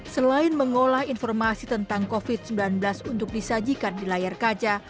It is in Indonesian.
selain mengolah informasi tentang covid sembilan belas untuk disajikan di layar kaca